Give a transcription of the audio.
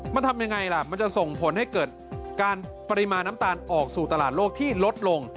มันทำยังไงล่ะมันจะส่งผลให้เกิดการปริมาณน้ำตาลออกสู่ตลาดโลกที่ลดลง